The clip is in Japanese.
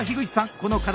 この課題